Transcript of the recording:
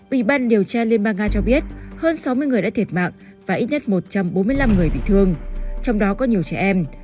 ủy ban điều tra liên bang nga cho biết hơn sáu mươi người đã thiệt mạng và ít nhất một trăm bốn mươi năm người bị thương trong đó có nhiều trẻ em